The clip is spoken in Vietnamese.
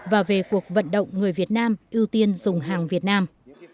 và về cuộc vận động người việt nam ưu tiên dùng hàng việt nam